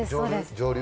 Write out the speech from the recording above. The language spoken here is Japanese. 上流？